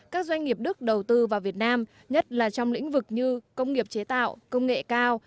các doanh nghiệp đức đầu tư vào việt nam nhất là trong lĩnh vực như công nghiệp chế tạo công nghệ cao